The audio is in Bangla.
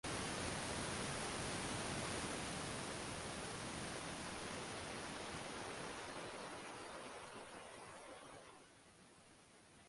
বার বার বিলুপ্তি ঘটনা ঘটে; আর্কিওসায়াথা-দের বিলুপ্তির পর তাদের পূর্ববর্তী প্রাচীর-নির্মাতা স্ট্রোমাটোলাইট-দের প্রত্যাবর্তন ঘটে।